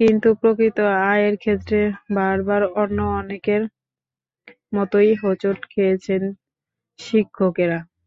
কিন্তু প্রকৃত আয়ের ক্ষেত্রে বারবার অন্য অনেকের মতোই হোঁচট খেয়েছেন শিক্ষকেরাও।